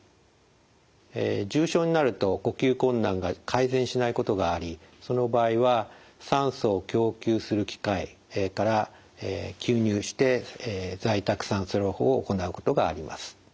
重症になると呼吸困難が改善しないことがありその場合は酸素を供給する機械から吸入して在宅酸素療法を行うことがあります。